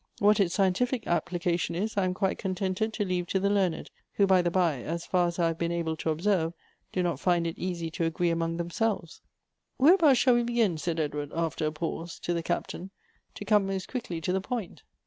What its scientific application is, I am quite contented to leave to the learned ; who, by the by, as far as I have been able to observe, do not find it easy to agree among themselves." " Whereabouts shall we begin," said Edward, after a pause, to the Captain, " to come most quickly to the point